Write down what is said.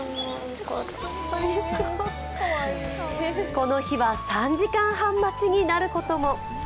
この日は３時間半待ちになることも。